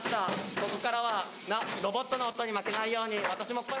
ここからはロボットの音に負けないように私も。